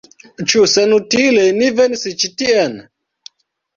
Ĉu senutile ni venis ĉi tien?